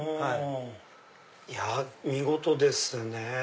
いや見事ですね。